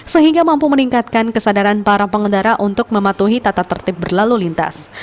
sehingga mampu meningkatkan kesadaran para pengendara untuk mematuhi tata tertib berlalu lintas